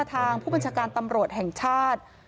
ทางผู้บัญชาการตำรวจแห่งชาติ